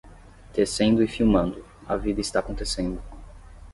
Tecendo e filmando, a vida está acontecendo.